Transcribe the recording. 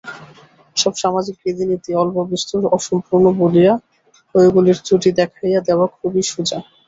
সব সামাজিক রীতিনীতি অল্পবিস্তর অসম্পূর্ণ বলিয়া ঐগুলির ত্রুটি দেখাইয়া দেওয়া খুবই সোজা।